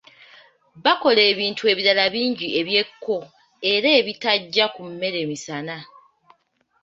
Bakola ebintu ebirala bingi eby'ekko era ebitajja ku mmere misana.